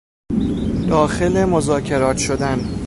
داخل مذاکرات شدن